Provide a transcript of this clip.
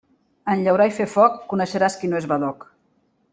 En llaurar i fer foc coneixeràs qui no és badoc.